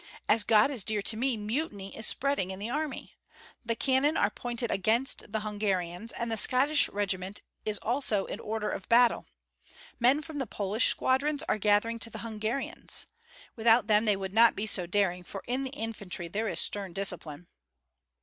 As God is dear to me, mutiny is spreading in the army! The cannon are pointed against the Hungarians, and the Scottish regiment is also in order of battle. Men from the Polish squadrons are gathering to the Hungarians. Without them they would not be so daring, for in the infantry there is stern discipline."